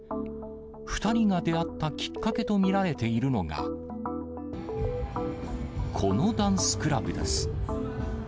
２人が出会ったきっかけと見られているのが、このダンスクラブです。